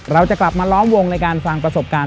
เราจะกลับมาล้อมวงในการฟังประสบการณ์